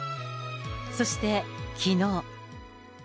そしてきのう。